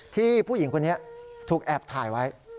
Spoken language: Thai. ผู้หญิงคนนี้ถูกแอบถ่ายไว้